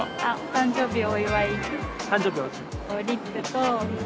誕生日を。